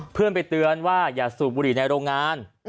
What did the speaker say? เพื่อนไปเตือนว่าอย่าสูบบุหรี่ในโรงงาน